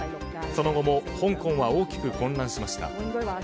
その後も香港は大きく混乱しました。